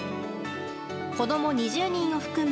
子供２０人を含む